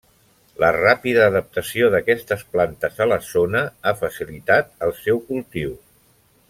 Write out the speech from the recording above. La ràpida adaptació d'aquestes plantes a la zona ha facilitat el seu cultiu.